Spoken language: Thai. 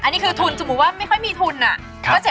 อันนี้คือทุนสมมุติว่าไม่ค่อยมีทุนอ่ะ